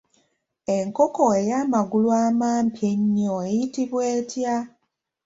Enkoko ey’amagulu amampi ennyo eyitibwa etya?